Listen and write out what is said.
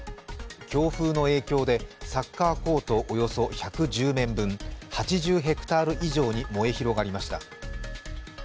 強風の影響でサッカーコートおよそ１１０面分、８０ｈａ以上に燃え広がりました。